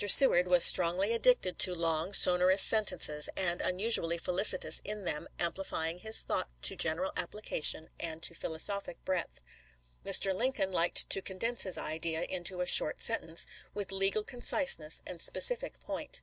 Seward was strongly addicted to long, sonorous sentences, and unusually felicitous in them, ampli fying his thought to general application and to philosophic breadth. Mr. Lincoln liked to con dense his idea into a short sentence, with legal con ciseness and specific point.